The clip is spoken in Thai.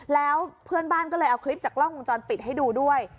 แล้วเพื่อนบ้านก็เลยเอาคลิปจากกล้องวงจรปิดให้ดูด้วย